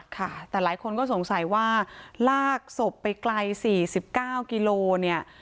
ค่ะแต่หลายคนก็สงสัยว่าลากศพไปไกล๔๙กิโลเนี่ย